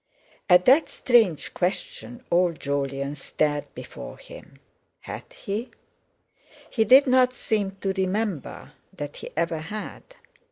At that strange question old Jolyon stared before him. Had he? He did not seem to remember that he ever had.